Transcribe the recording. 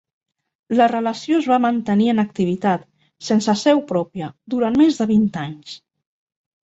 La Relació es va mantenir en activitat, sense seu pròpia, durant més de vint anys.